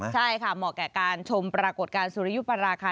ใช่ค่ะเหมาะแก่การชมปรากฏการณ์สุริยุปราคา